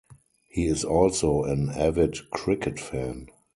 He is also an avid cricket fan.